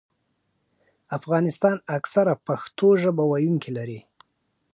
افغانستان اکثراً پښتو ژبه ویونکي لري.